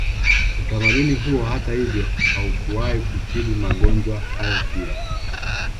Utamaduni huo hata hivyo haukuwahi kutibu magonjwa hayo pia